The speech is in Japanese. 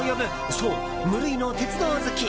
そう、無類の鉄道好き。